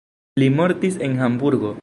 Li mortis en Hamburgo.